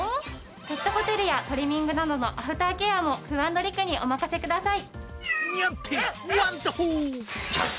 ペットホテルやトリミングなどのアフターケアもＣｏｏ＆ＲＩＫＵにお任せください！